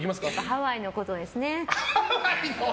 ハワイのことですね。